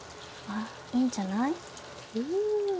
あっいいんじゃない？